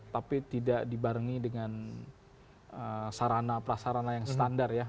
tapi tidak dibarengi dengan sarana prasarana yang standar ya